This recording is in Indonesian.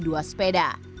dari dua sepeda